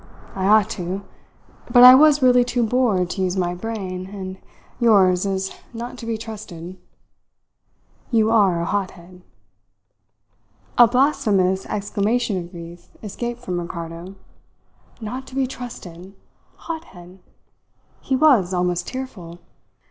I ought to but I was really too bored to use my brain, and yours is not to be trusted. You are a hothead!" A blasphemous exclamation of grief escaped from Ricardo. Not to be trusted! Hothead! He was almost tearful.